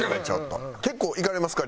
結構行かれますか？